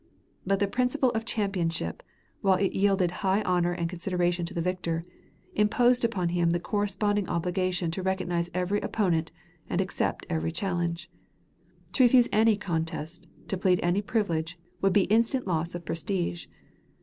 But the principle of championship, while it yielded high honor and consideration to the victor, imposed upon him the corresponding obligation to recognize every opponent and accept every challenge. To refuse any contest, to plead any privilege, would be instant loss of prestige.